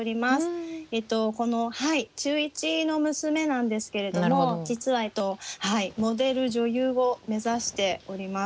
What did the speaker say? この中１の娘なんですけれども実はモデル女優を目指しております。